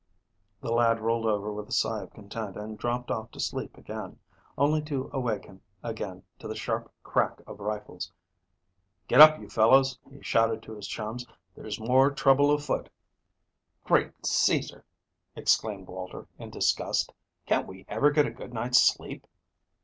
The lad rolled over with a sigh of content, and dropped off to sleep again, only to awaken again to the sharp crack of rifles. "Get up, you fellows," he shouted to his chums. "There's more trouble afoot." "Great Cæsar," exclaimed Walter, in disgust. "Can't we ever get a good night's sleep?"